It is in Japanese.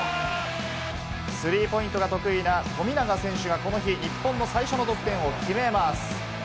スリーポイントが得意な富永選手がこの日、日本の最初の得点を決めます。